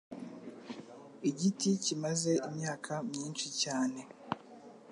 igiti Kimaze imyaka myinshi cyane.